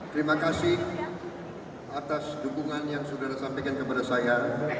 terima kasih atas dukungan yang sudah disampaikan kepada saya